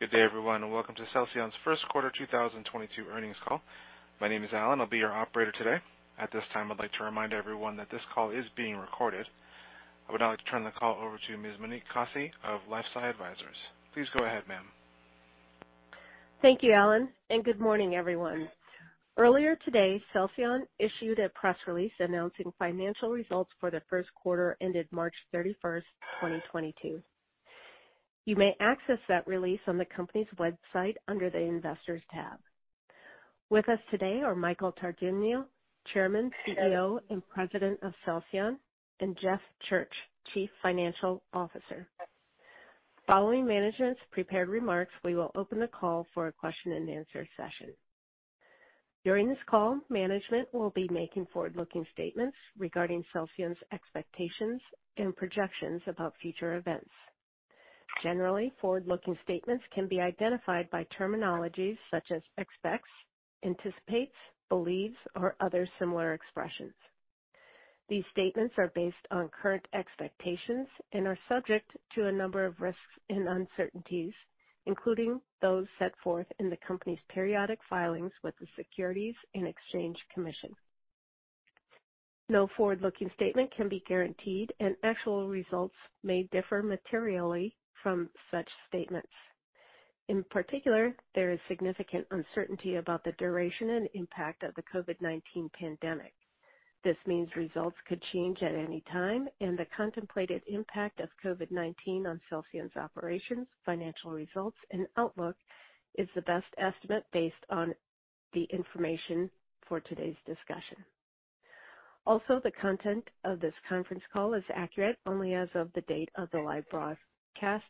Good day, everyone, and welcome to Celsion's First Quarter 2022 Earnings Call. My name is Alan. I'll be your operator today. At this time, I'd like to remind everyone that this call is being recorded. I would now like to turn the call over to Ms. Monique Kosse of LifeSci Advisors. Please go ahead, ma'am. Thank you, Alan, and good morning, everyone. Earlier today, Celsion issued a press release announcing financial results for the first quarter ended March 31st, 2022. You may access that release on the company's website under the Investors tab. With us today are Michael Tardugno, Chairman, CEO, and President of Celsion, and Jeffrey Church, Chief Financial Officer. Following management's prepared remarks, we will open the call for a question-and-answer session. During this call, management will be making forward-looking statements regarding Celsion's expectations and projections about future events. Generally, forward-looking statements can be identified by terminologies such as expects, anticipates, believes, or other similar expressions. These statements are based on current expectations and are subject to a number of risks and uncertainties, including those set forth in the company's periodic filings with the Securities and Exchange Commission. No forward-looking statement can be guaranteed and actual results may differ materially from such statements. In particular, there is significant uncertainty about the duration and impact of the COVID-19 pandemic. This means results could change at any time and the contemplated impact of COVID-19 on Celsion's operations, financial results, and outlook is the best estimate based on the information for today's discussion. Also, the content of this conference call is accurate only as of the date of the live broadcast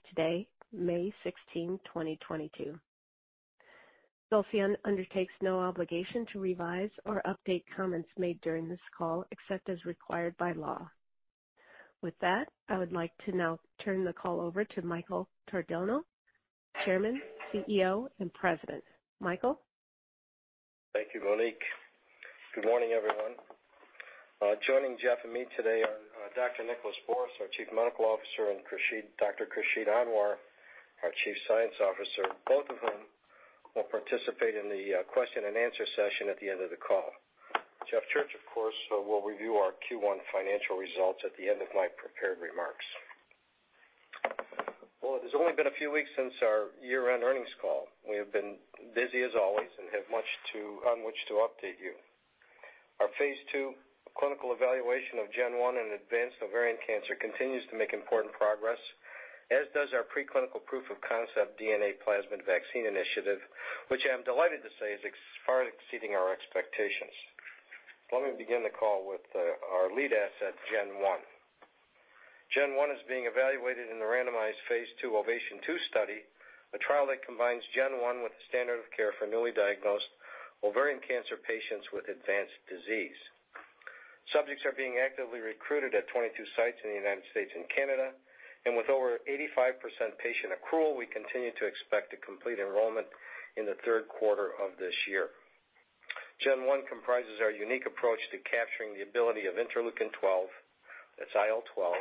today, May 16, 2022. Celsion undertakes no obligation to revise or update comments made during this call, except as required by law. With that, I would like to now turn the call over to Michael H. Tardugno, Chairman, CEO, and President. Michael? Thank you, Monique. Good morning, everyone. Joining Jeff and me today are Dr. Nicholas Borys, our Chief Medical Officer, and Khursheed, Dr. Khursheed Anwer, our Chief Scientific Officer, both of whom will participate in the question-and-answer session at the end of the call. Jeff Church, of course, will review our Q1 financial results at the end of my prepared remarks. It has only been a few weeks since our year-end earnings call. We have been busy as always and have much on which to update you. Our phase II clinical evaluation of GEN-1 in advanced ovarian cancer continues to make important progress, as does our preclinical proof of concept DNA plasmid vaccine initiative, which I'm delighted to say is far exceeding our expectations. Let me begin the call with our lead asset, GEN-1. GEN-1 is being evaluated in the randomized phase II OVATION-2 study, a trial that combines GEN-1 with the standard of care for newly diagnosed ovarian cancer patients with advanced disease. Subjects are being actively recruited at 22 sites in the United States and Canada, and with over 85% patient accrual, we continue to expect to complete enrollment in the third quarter of this year. GEN-1 comprises our unique approach to capturing the ability of Interleukin-12, that's IL-12,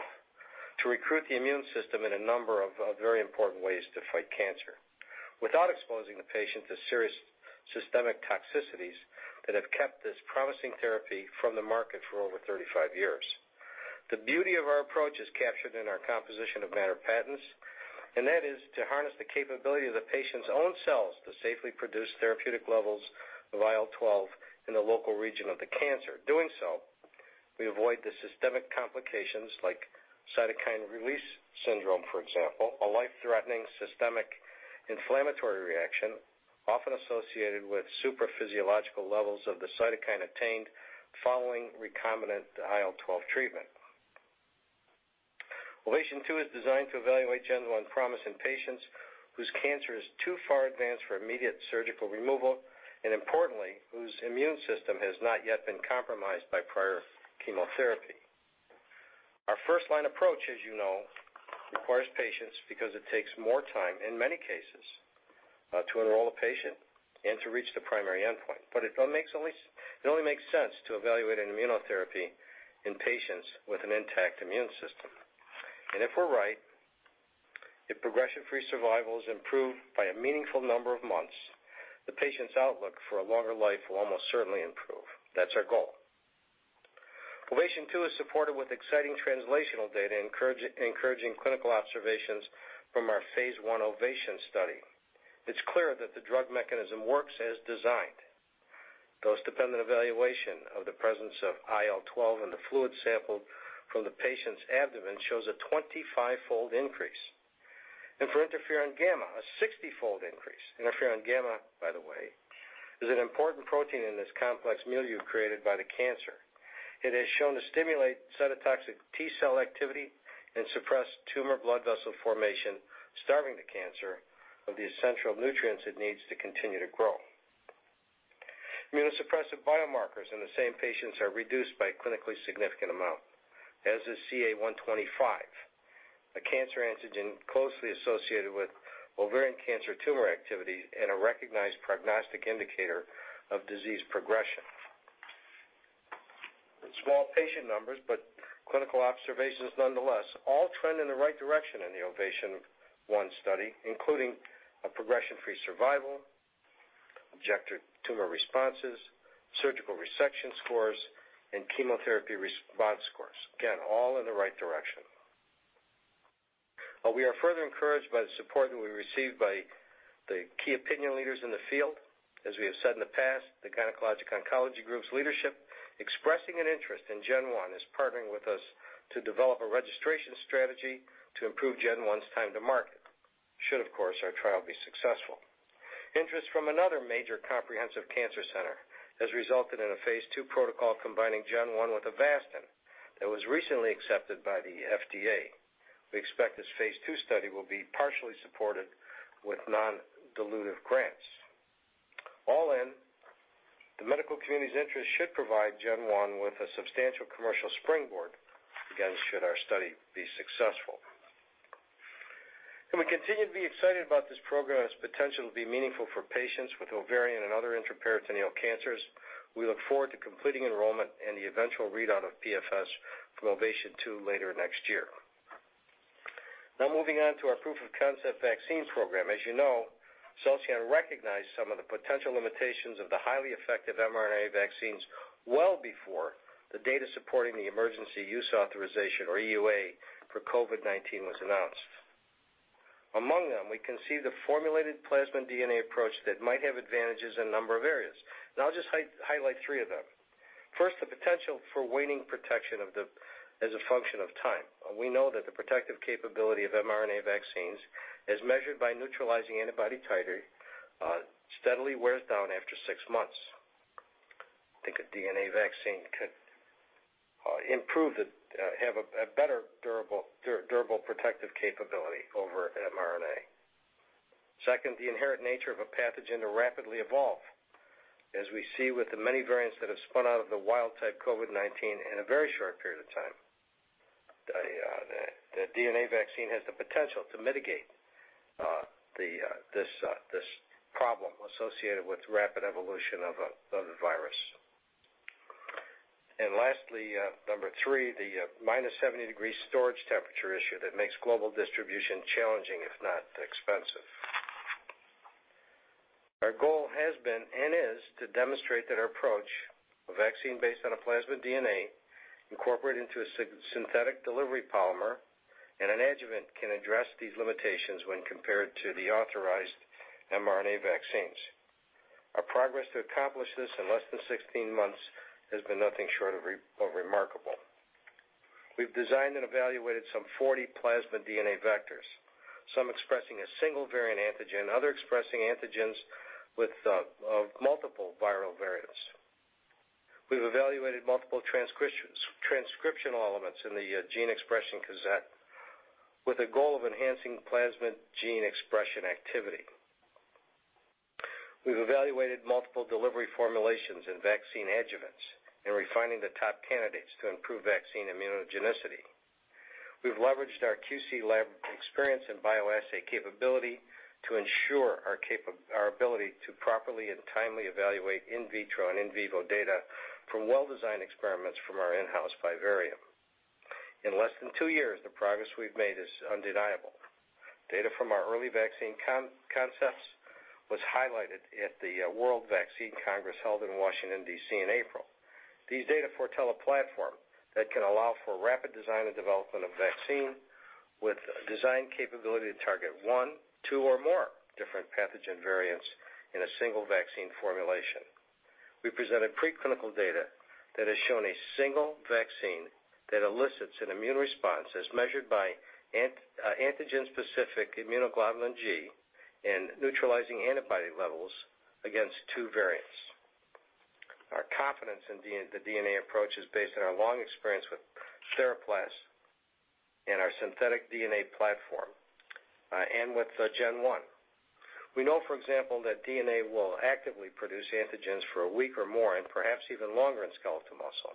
to recruit the immune system in a number of very important ways to fight cancer, without exposing the patient to serious systemic toxicities that have kept this promising therapy from the market for over 35 years. The beauty of our approach is captured in our composition of matter patents and that is to harness the capability of the patient's own cells to safely produce therapeutic levels of IL-12 in the local region of the cancer. Doing so, we avoid the systemic complications like cytokine release syndrome, for example, a life-threatening systemic inflammatory reaction often associated with supraphysiological levels of the cytokine attained following recombinant IL-12 treatment. OVATION-2 is designed to evaluate GEN-1 promise in patients whose cancer is too far advanced for immediate surgical removal, and importantly, whose immune system has not yet been compromised by prior chemotherapy. Our first line approach, as you know, requires patience because it takes more time, in many cases, to enroll the patient and to reach the primary endpoint. It only makes sense to evaluate an immunotherapy in patients with an intact immune system. If we're right, if progression-free survival is improved by a meaningful number of months, the patient's outlook for a longer life will almost certainly improve. That's our goal. OVATION-2 is supported with exciting translational data, encouraging clinical observations from our phase I OVATION study. It's clear that the drug mechanism works as designed. Dose-dependent evaluation of the presence of IL-12 in the fluid sample from the patient's abdomen shows a 25-fold increase. For interferon gamma, a 60-fold increase. Interferon gamma, by the way, is an important protein in this complex milieu created by the cancer. It has shown to stimulate cytotoxic T-cell activity and suppress tumor blood vessel formation, starving the cancer of the essential nutrients it needs to continue to grow. Immunosuppressive biomarkers in the same patients are reduced by a clinically significant amount, as is CA-125, a cancer antigen closely associated with ovarian cancer tumor activity and a recognized prognostic indicator of disease progression. Small patient numbers but clinical observations nonetheless all trend in the right direction in the OVATION-1 study, including a progression-free survival, objective tumor responses, surgical resection scores, and chemotherapy response scores. Again, all in the right direction. While we are further encouraged by the support that we received by the key opinion leaders in the field, as we have said in the past, the Gynecologic Oncology Group's leadership expressing an interest in GEN-1 is partnering with us to develop a registration strategy to improve GEN-1's time to market should, of course, our trial be successful. Interest from another major comprehensive cancer center has resulted in a phase II protocol combining GEN-1 with Avastin that was recently accepted by the FDA. We expect this phase II study will be partially supported with non-dilutive grants. All in, the medical community's interest should provide GEN-1 with a substantial commercial springboard, again, should our study be successful. We continue to be excited about this program has potential to be meaningful for patients with ovarian and other intraperitoneal cancers. We look forward to completing enrollment and the eventual readout of PFS from OVATION-2 later next year. Now moving on to our proof of concept vaccines program. As you know, Celsion recognized some of the potential limitations of the highly effective mRNA vaccines well before the data supporting the emergency use authorization or EUA for COVID-19 was announced. Among them, we can see the formulated plasmid DNA approach that might have advantages in a number of areas, and I'll just highlight three of them. First, the potential for waning protection as a function of time. We know that the protective capability of mRNA vaccines, as measured by neutralizing antibody titer, steadily wears down after six months. I think a DNA vaccine could have a better durable protective capability over mRNA. Second, the inherent nature of a pathogen to rapidly evolve, as we see with the many variants that have spun out of the wild type COVID-19 in a very short period of time. The DNA vaccine has the potential to mitigate this problem associated with rapid evolution of the virus. Lastly, number three, the minus 70 degrees storage temperature issue that makes global distribution challenging, if not expensive. Our goal has been and is to demonstrate that our approach, a vaccine based on a plasmid DNA incorporated into a synthetic delivery polymer and an adjuvant, can address these limitations when compared to the authorized mRNA vaccines. Our progress to accomplish this in less than 16 months has been nothing short of remarkable. We've designed and evaluated some 40 plasmid DNA vectors. Some expressing a single variant antigen, other expressing antigens with multiple viral variants. We've evaluated multiple transcription elements in the gene expression cassette with the goal of enhancing plasmid gene expression activity. We have evaluated multiple delivery formulations in vaccine adjuvants and refining the top candidates to improve vaccine immunogenicity. We've leveraged our QC lab experience and bioassay capability to ensure our ability to properly and timely evaluate in vitro and in vivo data from well-designed experiments from our in-house vivarium. In less than two years, the progress we've made is undeniable. Data from our early vaccine concepts was highlighted at the World Vaccine Congress held in Washington, D.C. in April. These data foretell a platform that can allow for rapid design and development of vaccine with design capability to target one, two, or more different pathogen variants in a single vaccine formulation. We presented preclinical data that has shown a single vaccine that elicits an immune response as measured by antigen-specific immunoglobulin G and neutralizing antibody levels against two variants. Our confidence in the DNA approach is based on our long experience with TheraPlas and our synthetic DNA platform, and with GEN-1. We know, for example, that DNA will actively produce antigens for a week or more and perhaps even longer in skeletal muscle.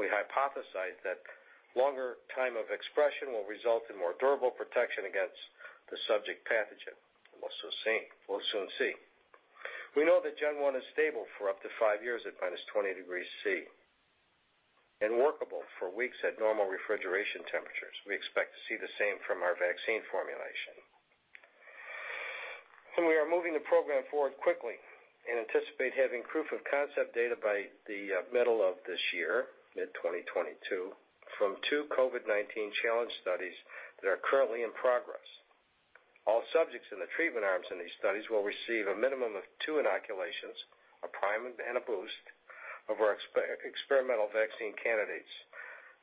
We hypothesize that longer time of expression will result in more durable protection against the subject pathogen, we'll soon see. We know that GEN-1 is stable for up to five years at -20 degrees C and workable for weeks at normal refrigeration temperatures. We expect to see the same from our vaccine formulation. We are moving the program forward quickly and anticipate having proof of concept data by the middle of this year, mid-2022, from two COVID-19 challenge studies that are currently in progress. All subjects in the treatment arms in these studies will receive a minimum of two inoculations, a prime and a boost, of our experimental vaccine candidates.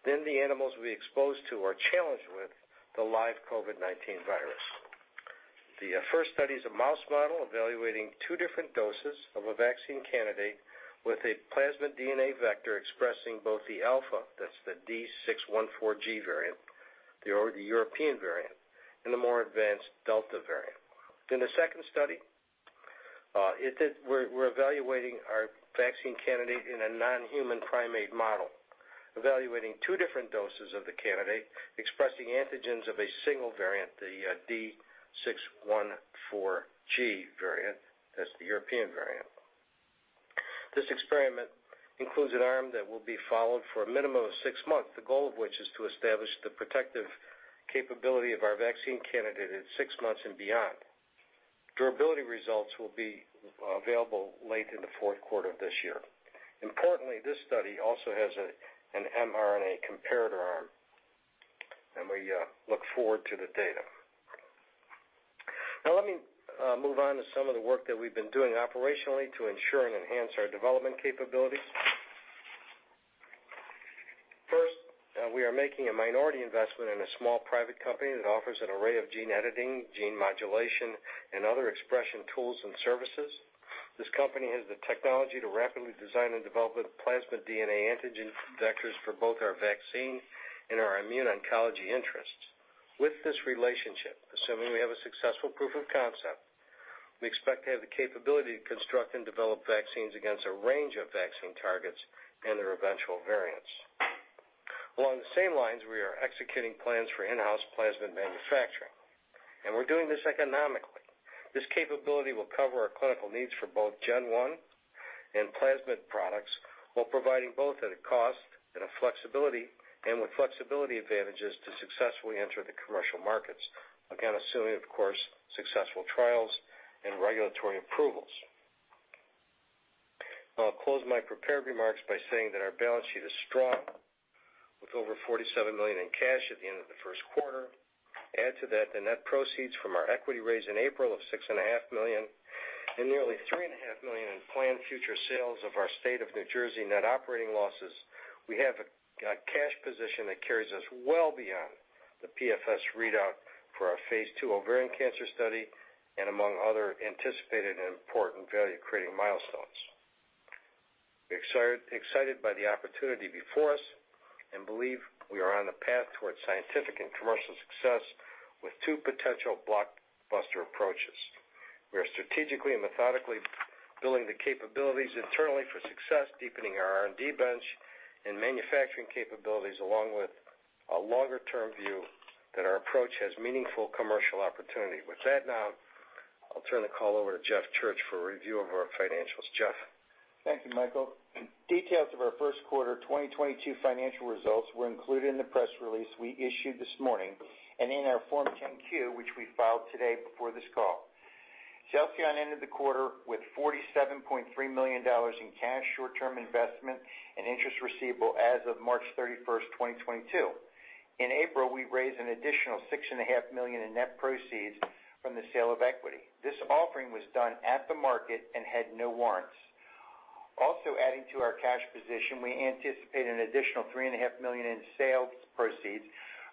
Then the animals will be exposed to or challenged with the live COVID-19 virus. The first study is a mouse model evaluating two different doses of a vaccine candidate with a plasmid DNA vector expressing both the alpha, that's the D614G variant, the European variant, and the more advanced Delta variant. In the second study, we're evaluating our vaccine candidate in a non-human primate model, evaluating two different doses of the candidate expressing antigens of a single variant, the D614G variant. That's the European variant. This experiment includes an arm that will be followed for a minimum of six months, the goal of which is to establish the protective capability of our vaccine candidate at six months and beyond. Durability results will be available late in the fourth quarter of this year. Importantly, this study also has an mRNA comparator arm and we look forward to the data. Now let me move on to some of the work that we've been doing operationally to ensure and enhance our development capabilities. First, we are making a minority investment in a small private company that offers an array of gene editing, gene modulation, and other expression tools and services. This company has the technology to rapidly design and develop a plasmid DNA antigen vectors for both our vaccine and our immune oncology interests. With this relationship, assuming we have a successful proof of concept, we expect to have the capability to construct and develop vaccines against a range of vaccine targets and their eventual variants. Along the same lines, we are executing plans for in-house plasmid manufacturing, and we're doing this economically. This capability will cover our clinical needs for both GEN-1 and plasmid products while providing both at a cost and a flexibility, and with flexibility advantages to successfully enter the commercial markets. Again, assuming, of course, successful trials and regulatory approvals. I'll close my prepared remarks by saying that our balance sheet is strong with over $47 million in cash at the end of the first quarter. Add to that, the net proceeds from our equity raise in April of $6.5 million and nearly $3.5 million in planned future sales of our State of New Jersey net operating losses. We have a cash position that carries us well beyond the PFS readout for our phase II ovarian cancer study and among other anticipated and important value-creating milestones. We're excited by the opportunity before us and believe we are on a path towards scientific and commercial success with two potential blockbuster approaches. We are strategically and methodically building the capabilities internally for success, deepening our R&D bench and manufacturing capabilities, along with a longer-term view that our approach has meaningful commercial opportunity. With that, now, I'll turn the call over to Jeff Church for a review of our financials. Jeff? Thank you, Michael. Details of our first quarter 2022 financial results were included in the press release we issued this morning and in our Form 10-Q, which we filed today before this call. Celsion ended the quarter with $47.3 million in cash, short-term investment, and interest receivable as of March 31st, 2022. In April, we raised an additional $6.5 million in net proceeds from the sale of equity. This offering was done at the market and had no warrants. Also adding to our cash position, we anticipate an additional $3.5 million in sales proceeds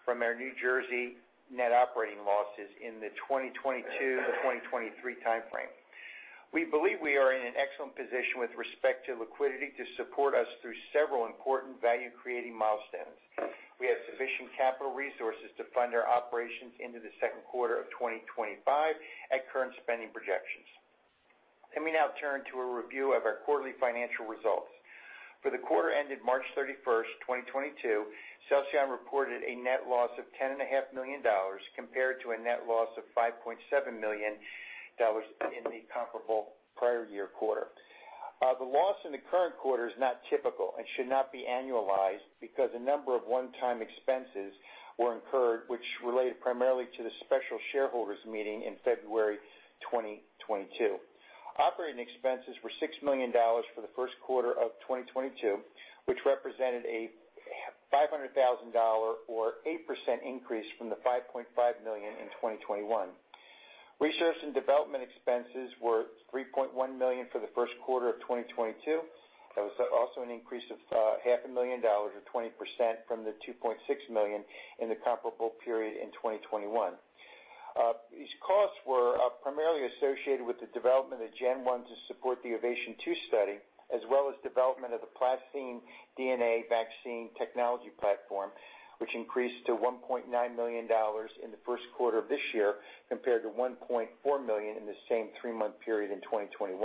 from our New Jersey net operating losses in the 2022 to 2023 timeframe. We believe we are in an excellent position with respect to liquidity to support us through several important value-creating milestones. We have sufficient capital resources to fund our operations into the second quarter of 2025 at current spending projections. Let me now turn to a review of our quarterly financial results. For the quarter ended March 31st, 2022, Celsion reported a net loss of $10.5 million compared to a net loss of $5.7 million in the comparable prior year quarter. The loss in the current quarter is not typical and should not be annualized because a number of one-time expenses were incurred, which related primarily to the special shareholders meeting in February 2022. Operating expenses were $6 million for the first quarter of 2022, which represented a $500,000 or 8% increase from the $5.5 million in 2021. Research and development expenses were $3.1 million for the first quarter of 2022. There was also an increase of $500,000 or 20% from the $2.6 million in the comparable period in 2021. These costs were primarily associated with the development of GEN-1 to support the OVATION-2 study, as well as development of the PlaCCine DNA vaccine technology platform, which increased to $1.9 million in the first quarter of this year compared to $1.4 million in the same three-month period in 2021.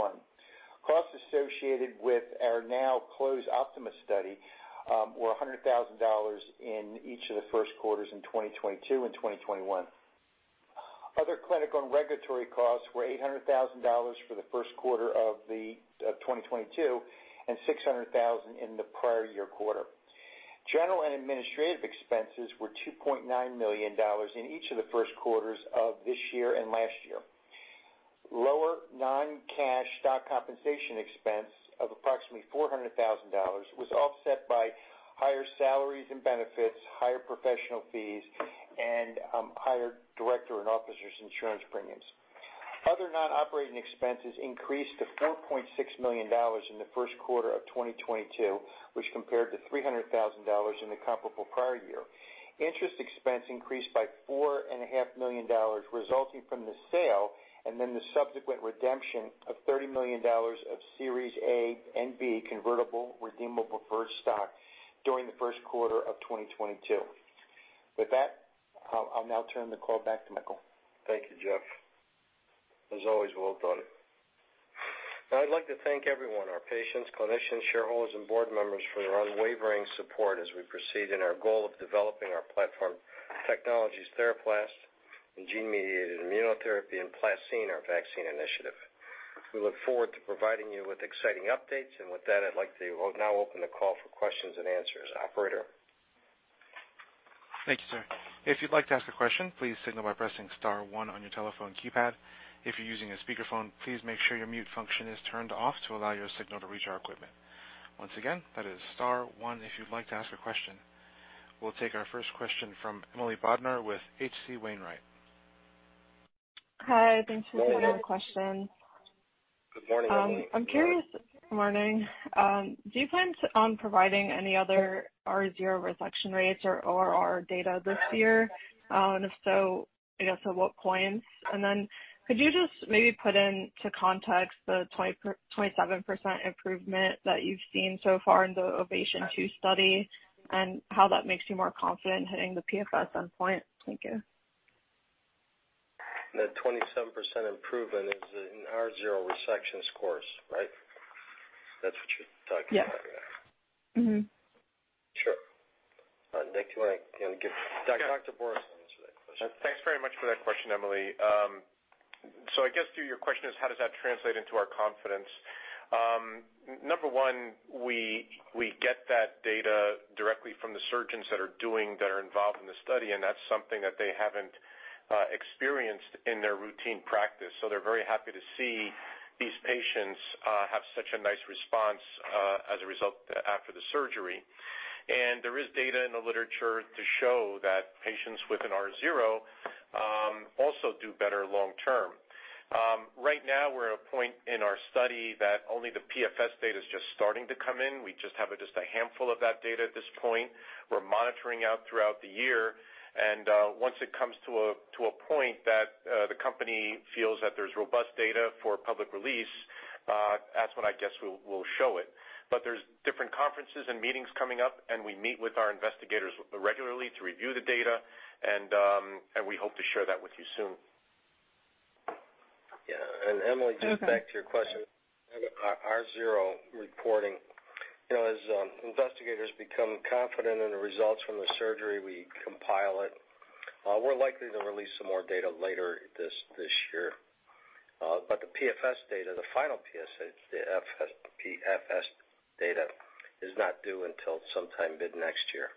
Costs associated with our now closed OPTIMA study were $100,000 in each of the first quarters in 2022 and 2021. Other clinical and regulatory costs were $800,000 for the first quarter of 2022 and $600,000 in the prior year quarter. General and administrative expenses were $2.9 million in each of the first quarters of this year and last year. Lower non-cash stock compensation expense of approximately $400,000 was offset by higher salaries and benefits, higher professional fees, and higher director and officers' insurance premiums. Other non-operating expenses increased to $4.6 million in the first quarter of 2022, which compared to $300,000 in the comparable prior year. Interest expense increased by $4.5 million resulting from the sale and then the subsequent redemption of $30 million of Series A and B convertible redeemable preferred stock during the first quarter of 2022. With that, I'll now turn the call back to Michael. Thank you, Jeff. As always, well done. Now I'd like to thank everyone, our patients, clinicians, shareholders, and board members for their unwavering support as we proceed in our goal of developing our platform technologies, TheraPlas and gene-mediated immunotherapy and PlaCCine, our vaccine initiative. We look forward to providing you with exciting updates, and with that, I'd like to now open the call for questions and answers. Operator? Thank you, sir. If you'd like to ask a question, please signal by pressing star one on your telephone keypad. If you're using a speakerphone, please make sure your mute function is turned off to allow your signal to reach our equipment. Once again, that is star one if you'd like to ask a question. We'll take our first question from Emily Bodnar with H.C. Wainwright. Hi. Thanks for taking the question. Good morning, Emily. I'm curious, good morning. Do you plan on providing any other R0 resection rates or RR data this year? And if so, at what point? Could you just maybe put into context the 27% improvement that you've seen so far in the OVATION-2 study and how that makes you more confident hitting the PFS endpoint? Thank you. The 27% improvement is in R0 resection scores, right? That's what you're talking about, right? Yeah. Sure. Nick, do you want to, you know, give. Yeah. Dr. Borys can answer that question. Thanks very much for that question, Emily. TO your question is how does that translate into our confidence, number one, we get that data directly from the surgeons that are involved in the study, and that's something that they haven't experienced in their routine practice, so they're very happy to see these patients have such a nice response as a result after the surgery. There is data in the literature to show that patients with an R0 also do better long term. Right now we're at a point in our study that only the PFS data is just starting to come in. We just have it as the handful of that data at this point. We're monitoring out throughout the year, and once it comes to a point that the company feels that there's robust data for public release, that's when we'll show it. There's different conferences, and meetings coming up, and we meet with our investigators regularly to review the data, and we hope to share that with you soon. Yeah. Emily, just back to your question, R0 reporting. You know, as investigators become confident in the results from the surgery, we compile it. We're likely to release some more data later this year. But the PFS data, the final PFS data is not due until sometime mid-next year.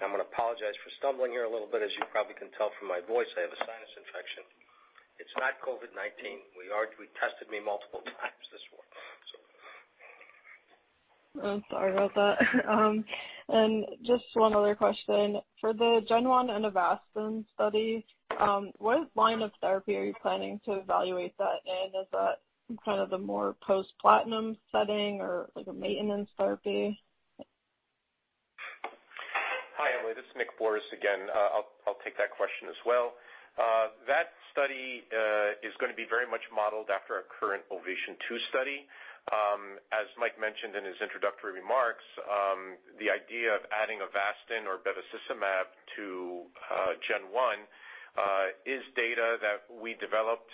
I'm going to apologize for stumbling here a little bit. As you probably can tell from my voice, I have a sinus infection. It's not COVID-19. We tested me multiple times this morning, so. I'm sorry about that and just one other question. For the GEN-1 Avastin study, what line of therapy are you planning to evaluate that in? Is that kind of the more post platinum setting or like a maintenance therapy? Hi, Emily. This is Nick Borys again. I'll take that question as well. That study is going to be very much modeled after our current OVATION-2 study. As Mike mentioned in his introductory remarks, the idea of adding Avastin or bevacizumab to GEN-1 is data that we developed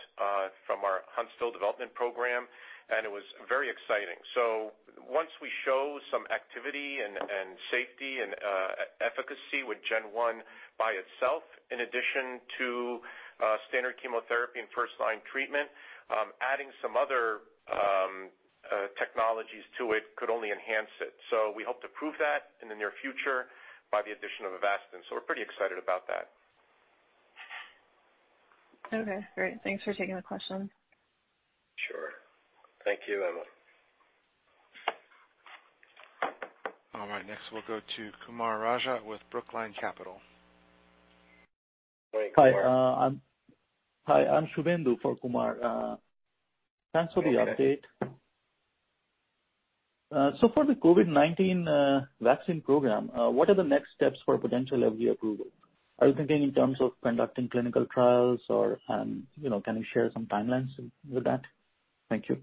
from our Huntsville development program, and it was very exciting. Once we show some activity and safety and efficacy with GEN-1 by itself, in addition to standard chemotherapy and first-line treatment, adding some other technologies to it could only enhance it. We hope to prove that in the near future by the addition of Avastin. We're pretty excited about that. Okay, great. Thanks for taking the question. Sure. Thank you, Emily. All right, next we'll go to Kumar Raja with Brookline Capital. Morning, Kumar. Hi, I'm Subhendu for Kumar. Thanks for the update. Okay. For the COVID-19 vaccine program, what are the next steps for potential FDA approval? Are you thinking in terms of conducting clinical trials or, you know, can you share some timelines with that? Thank you.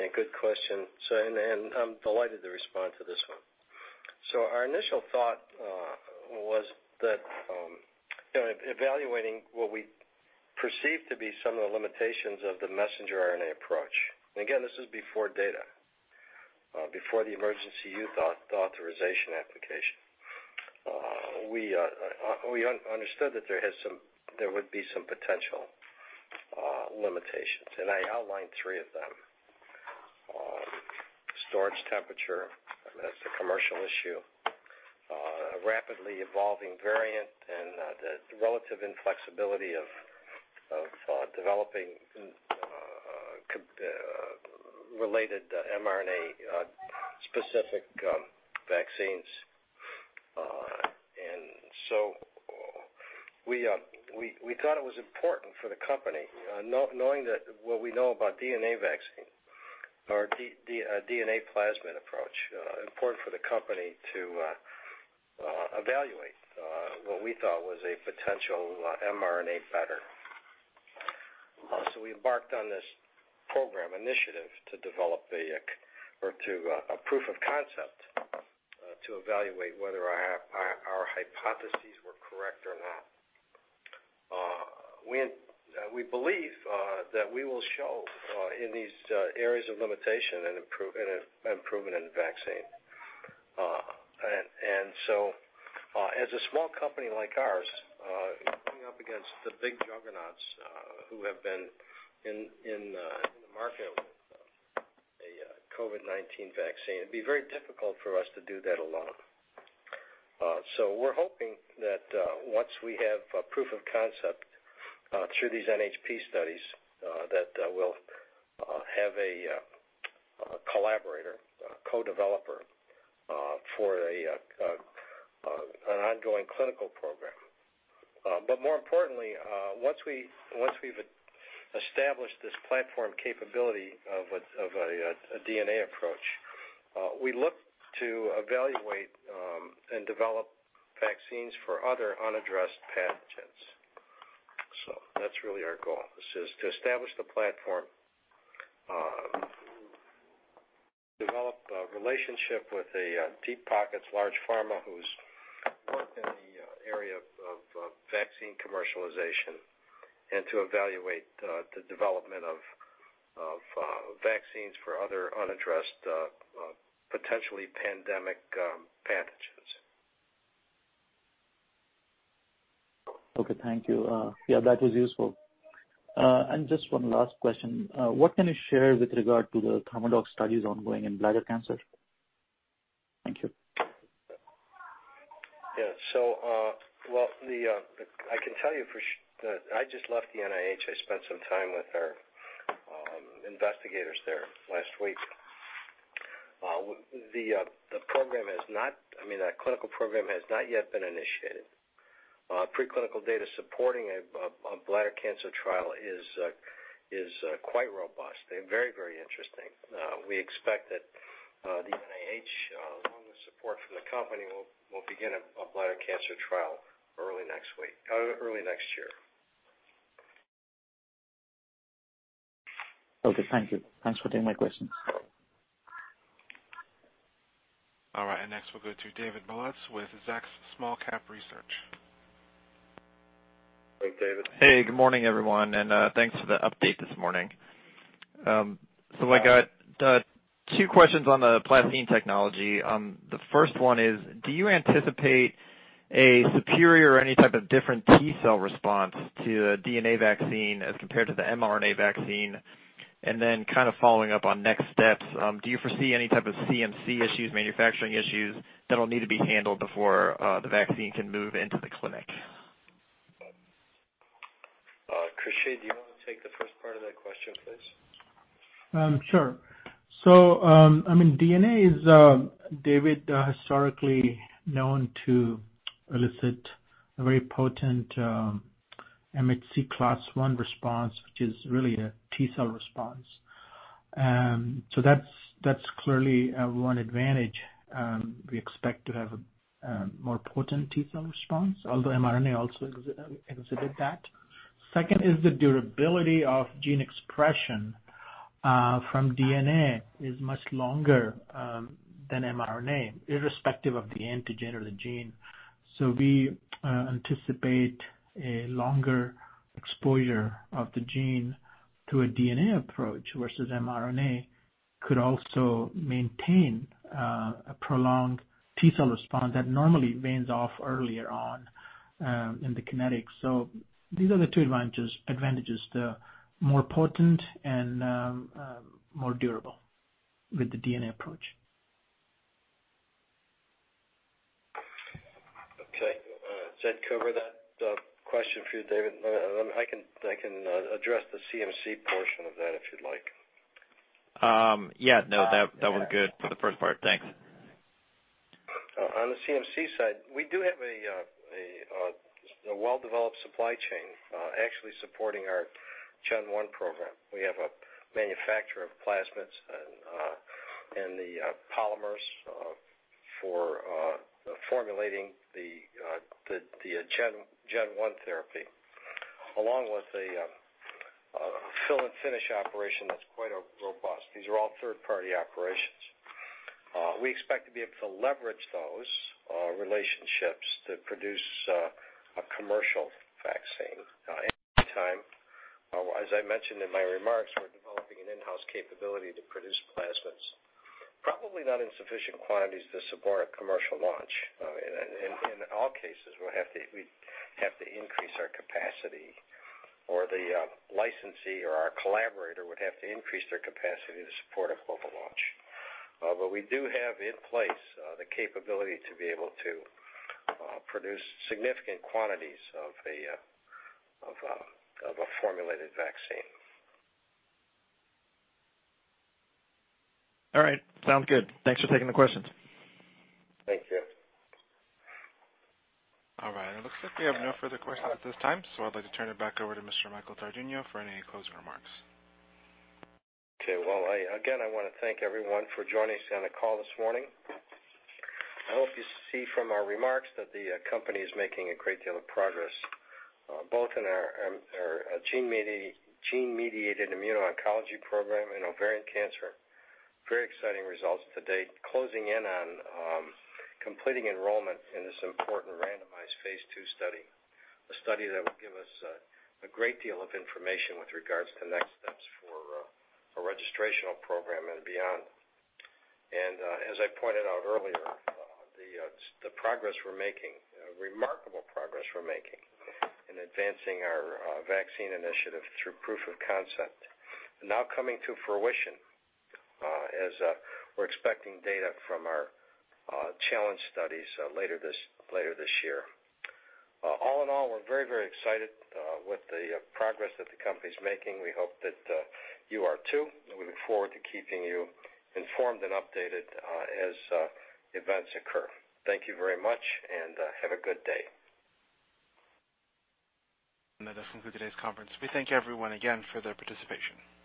A good question. I'm delighted to respond to this one. Our initial thought was that, you know, evaluating what we perceived to be some of the limitations of the messenger RNA approach. Again, this is before data, before the emergency use authorization application. We understood that there would be some potential limitations, and I outlined three of them. Storage temperature, and that's a commercial issue, a rapidly evolving variant, and the relative inflexibility of developing related mRNA specific vaccines. We thought it was important for the company not knowing what we know about DNA vaccine or DNA plasmid approach, important for the company to evaluate what we thought was a potential mRNA better. We embarked on this program initiative to develop a proof of concept to evaluate whether our hypotheses were correct or not. We believe that we will show in these areas of limitation an improvement in the vaccine. As a small company like ours, going up against the big juggernauts who have been in the market with a COVID-19 vaccine, it'd be very difficult for us to do that alone. We're hoping that once we have proof of concept through these NHP studies, we'll have a collaborator, a co-developer for an ongoing clinical program. More importantly, once we've established this platform capability of a DNA approach, we look to evaluate and develop vaccines for other unaddressed pathogens. That's really our goal is to establish the platform, develop a relationship with a deep pockets large pharma who's worked in the area of vaccine commercialization, and to evaluate the development of vaccines for other unaddressed potentially pandemic pathogens. Okay, thank you. Yeah, that is useful, and just one last question. What can you share with regard to the IMNN-101 studies ongoing in bladder cancer? Thank you. Yeah, I can tell you for sure that I just left the NIH. I spent some time with our investigators there last week. I mean, our clinical program has not yet been initiated. Preclinical data supporting a bladder cancer trial is quite robust and very, very interesting. We expect that the NIH, along with support from the company, will begin a bladder cancer trial early next year. Okay, thank you. Thanks for taking my questions. All right. Next, we'll go to David Bautz with Zacks Small Cap Research. Thanks, David. Hey, good morning, everyone, and thanks for the update this morning. So I got two questions on the PlaCCine technology. The first one is, do you anticipate a superior or any type of different T-cell response to a DNA vaccine as compared to the mRNA vaccine? Then kind of following up on next steps, do you foresee any type of CMC issues, manufacturing issues that'll need to be handled before the vaccine can move into the clinic? Khursheed, do you want to take the first part of that question, please? Sure. I mean, DNA is, David, historically known to elicit a very potent MHC class I response, which is really a T-cell response. That's clearly one advantage. We expect to have more potent T-cell response, although mRNA also exhibited that. Second is the durability of gene expression from DNA is much longer than mRNA, irrespective of the antigen or the gene. We anticipate a longer exposure of the gene through a DNA approach versus mRNA could also maintain a prolonged T-cell response that normally wanes off earlier on in the kinetics. These are the two advantages, the more potent and more durable with the DNA approach. Okay. Does that cover that question for you, David? I can address the CMC portion of that, if you'd like. Yeah, no, that was good for the first part. Thanks. On the CMC side, we do have a well-developed supply chain, actually supporting our IMNN-001 program. We have a manufacturer of plasmids and the polymers for formulating the GEN-1 therapy, along with a fill and finish operation that's quite robust. These are all third-party operations. We expect to be able to leverage those relationships to produce a commercial vaccine in time. As I mentioned in my remarks, we're developing an in-house capability to produce plasmids, probably not in sufficient quantities to support a commercial launch. In all cases, we'd have to increase our capacity or the licensee or our collaborator would have to increase their capacity to support a global launch. We do have in place the capability to be able to produce significant quantities of a formulated vaccine. All right. Sounds good. Thanks for taking the questions. Thank you. All right. It looks like we have no further questions at this time, so I'd like to turn it back over to Mr. Michael Tardugno for any closing remarks. Okay. Well, again, I want to thank everyone for joining us on the call this morning. I hope you see from our remarks that the company is making a great deal of progress both in our gene-mediated immuno-oncology program in ovarian cancer, very exciting results to date. Closing in on completing enrollment in this important randomized phase II study, a study that will give us a great deal of information with regards to next steps for a registrational program and beyond. As I pointed out earlier, the remarkable progress we're making in advancing our vaccine initiative through proof of concept now coming to fruition as we're expecting data from our challenge studies later this year. All in all, we're very, very excited with the progress that the company's making. We hope that you are too and we look forward to keeping you informed and updated as events occur. Thank you very much and have a good day. That does conclude today's conference. We thank everyone again for their participation.